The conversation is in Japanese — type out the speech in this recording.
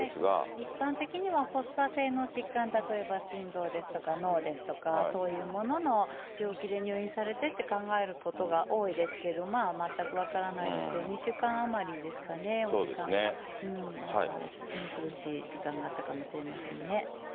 一般的には発作性の疾患、例えば心臓ですとか脳ですとかそういうものの病気で入院されてって考えることが多いですけれども、全く分からないですけど、２週間余りですかね、お時間が、苦しい時間があったかもしれませんね。